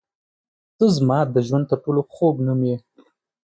• ته زما د ژوند تر ټولو خوږ نوم یې.